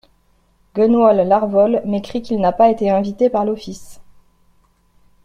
Gwenole Larvol m’écrit qu’il n’a pas été invité par l’Office.